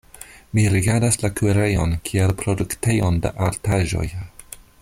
Mi rigardas la kuirejon kiel produktejon de artaĵoj.